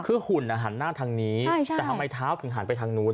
คือหุ่นหันหน้าทางนี้แต่ทำไมเท้าถึงหันไปทางนู้น